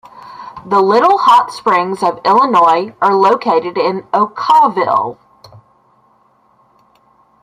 The Little Hot Springs of Illinois are located in Okawville.